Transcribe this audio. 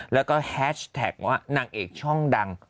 แล้วก็แฮชแท็กว่านางเอกช่องดัง